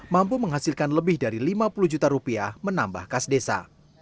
mampu menghasilkan lebih dari lima puluh juta rupiah menambah kas desa